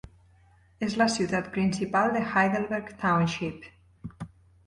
És la ciutat principal de Heidelberg Township.